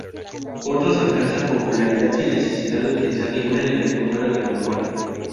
Otros alcanzan popularidad sin necesidad de utilizar ningún elemento fuera de lo normal.